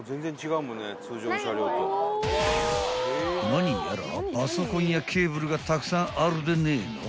［何やらパソコンやケーブルがたくさんあるでねえの？］